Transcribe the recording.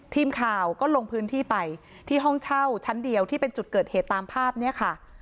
ทีมข่าวก็ลงพื้นที่ไปที่ห้องเช่าชั้นเดียวที่เป็นจุดเกิดเหตุตามภาพเนี่ยค่ะ